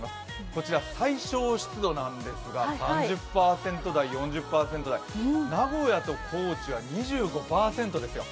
こちら、最小湿度なんですが、３０％台、４０％台、名古屋と高知は２５％ですよ。